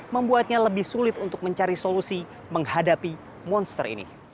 membuatnya lebih sulit untuk mencari solusi menghadapi monster ini